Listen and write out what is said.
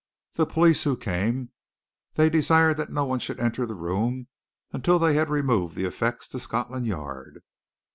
The police who came, they desired that no one should enter the room until they had removed the effects to Scotland Yard."